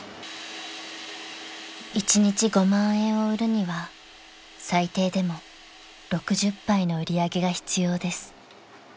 ［１日５万円を売るには最低でも６０杯の売り上げが必要です］